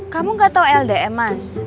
kamu gak tau ldm mas